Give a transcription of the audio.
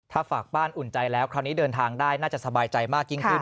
ถ้าฝากบ้านอุ่นใจแล้วคราวนี้เดินทางได้น่าจะสบายใจมากยิ่งขึ้น